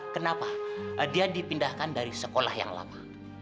kenapa dia dipindahkan dari sekolah yang lama